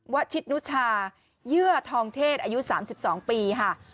วัชินุชาเยื้อทองเทศอายุ๓๒ปี